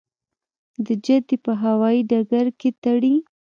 د جدې په هوايي ډګر کې تړي.